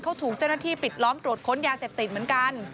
เขาถูกเจ้าหน้าที่ปิดล้อมตรวจค้นยาเสพติดเหมือนกัน